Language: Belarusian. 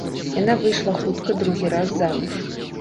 Яна выйшла хутка другі раз замуж.